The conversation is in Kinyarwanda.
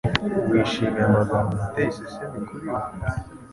Wishimiye amagambo ateye isesemi kuri we.